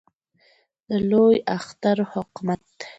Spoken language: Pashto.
د لوی اختر حکمت